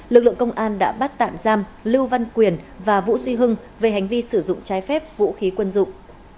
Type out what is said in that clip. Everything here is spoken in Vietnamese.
lực lượng công an đã bắt tạm giam lưu văn quyền và vũ duy hưng về hành vi sử dụng trái phép vũ khí quân dụng